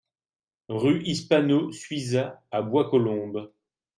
Rue Hispano Suiza à Bois-Colombes